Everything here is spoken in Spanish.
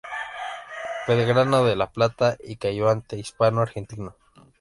Belgrano de La Plata y cayó ante Hispano Argentino.